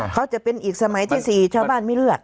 เขาจะเป็นอีกสมัยที่๔ชาวบ้านไม่เลือก